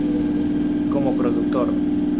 Como productor